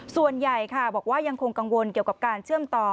ส่วนใหญ่ค่ะบอกว่ายังคงกังวลเกี่ยวกับการเชื่อมต่อ